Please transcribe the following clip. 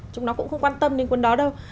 chúng nó cũng không quan tâm đến cuốn đó đâu